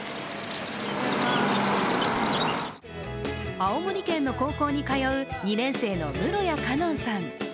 青森県の高校に通う２年生の室谷榎音さん。